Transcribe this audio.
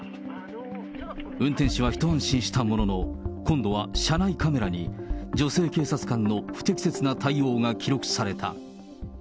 運転手は一安心したものの、今度は車内カメラに、女性警察官の不適切な対応が記録された。